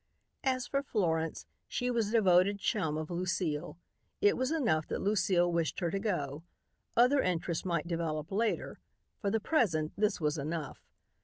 As for Florence, she was a devoted chum of Lucile. It was enough that Lucile wished her to go. Other interests might develop later; for the present, this was enough.